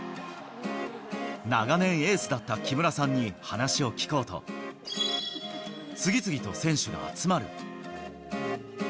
長年エースだった木村さんに話を聞こうと、次々と選手が集まる。